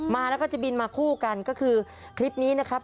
มาแล้วก็จะบินมาคู่กันก็คือคลิปนี้นะครับ